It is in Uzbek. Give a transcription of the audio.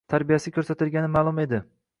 tarbiyasi ko'rsatilgani ma'lum edi.